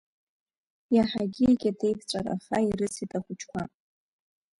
Иаҳагьы икьатеи ԥҵәараха ирысит ахәыҷқәа.